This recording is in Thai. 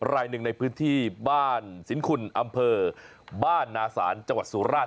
รายหนึ่งในพื้นที่บ้านสินทรคุณอำเภอบ้านนาศาลจวัตรสุราทัณฑ์